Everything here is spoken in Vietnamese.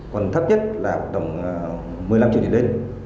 còn thấp nhất là tầm một mươi năm triệu truyền lên